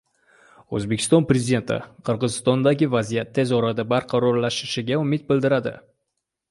O‘zbekiston Prezidenti Qirg‘izistondagi vaziyat tez orada barqarorlashishiga umid bildirdi